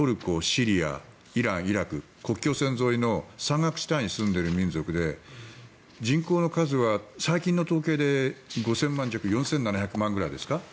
シリアイラン、イラク、国境線沿いの山岳地帯に住んでいる民族で人口の数は最近の統計で５０００万弱４７００万くらいですか。